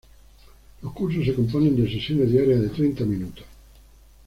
Los cursos se componen de sesiones diarias de treinta minutos.